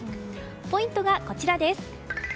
ポイントがこちらです。